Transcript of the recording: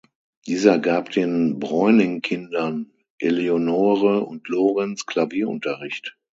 Dieser gab den Breuning-Kindern Eleonore und Lorenz Klavierunterricht.